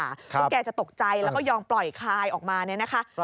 จนแกจะตกใจแล้วก็ยอมปล่อยคายออกมาเนี่ยนะคะ